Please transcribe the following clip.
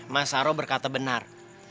mas saro berkata benar